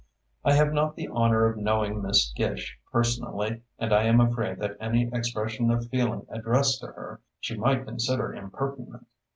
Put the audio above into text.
I have not the honor of knowing Miss Gish personally and I am afraid that any expression of feeling addressed to her she might consider impertinent.